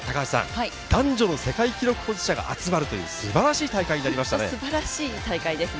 男女の世界記録保持者が集まるという素晴らしい大会になりましたね。